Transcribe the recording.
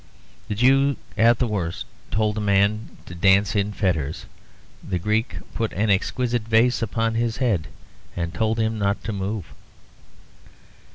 The Jew at the worst told a man to dance in fetters; the Greek put an exquisite vase upon his head and told him not to move.